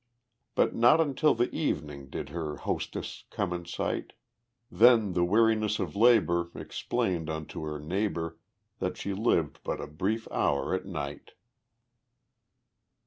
But not until the evening Did her hostess come in sight; Then the Weariness of Labor Explained unto her neighbor That she lived but a brief hour at night.